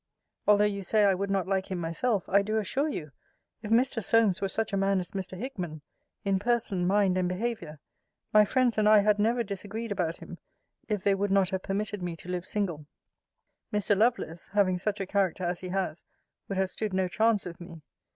Although you say I would not like him myself, I do assure you, if Mr. Solmes were such a man as Mr. Hickman, in person, mind, and behaviour, my friends and I had never disagreed about him, if they would not have permitted me to live single; Mr. Lovelace (having such a character as he has) would have stood no chance with me.